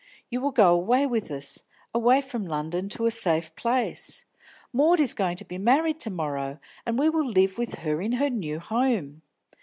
You will go away with us, away from London to a safe place. Maud is going to be married to morrow, and we will live with her in her new home.